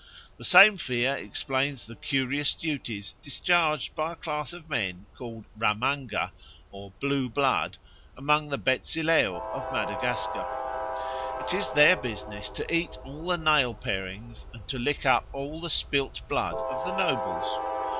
The same fear explains the curious duties discharged by a class of men called ramanga or "blue blood" among the Betsileo of Madagascar. It is their business to eat all the nail parings and to lick up all the spilt blood of the nobles.